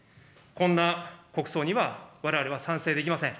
こんな国葬にはわれわれは賛成できません。